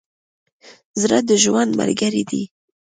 زړه د ژوند ملګری دی.